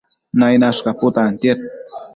Nainash caputantiad